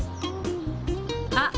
あっ。